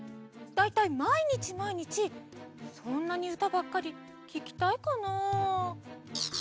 だいたいまいにちまいにちそんなにうたばっかりききたいかな？